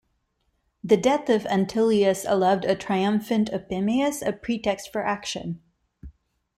The death of Antyllius allowed a triumphant Opimius a pretext for action.